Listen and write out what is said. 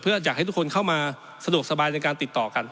เพื่ออยากให้ทุกคนเข้ามาสะดวกสบายในการติดต่อกัน